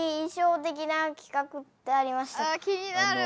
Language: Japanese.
・あ気になる！